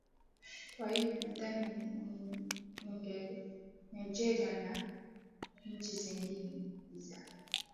kwa hivyo nadhani nigeria na nchi zingine za